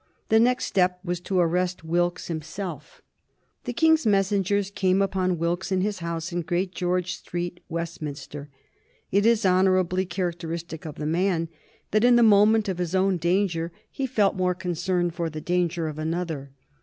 The next step was to arrest Wilkes himself. [Sidenote: 1763 Arrest of Wilkes] The King's messengers came upon Wilkes in his house in Great George Street, Westminster. It is honorably characteristic of the man that in the moment of his own danger he felt more concern for the danger of another.